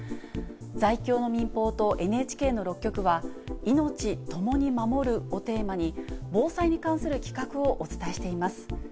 在京の民放とＮＨＫの６局は、いのちともに守るをテーマに、防災に関する企画をお伝えしています。